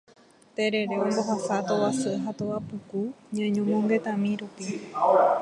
Terere ombohasa tovasy ha tovapuku ñañomongetami rupi.